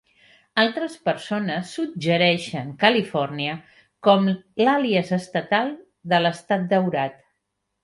Altes persones suggereixen California com l"àlies estatal de l"Estat daurat.